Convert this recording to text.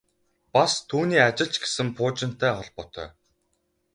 Бас түүний ажил ч гэсэн пуужинтай холбоотой.